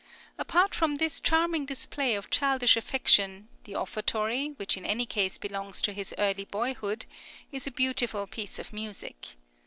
Apart from this charming display of childish affection, the offertory, which in any case belongs to his early boyhood, is a beautiful piece of music.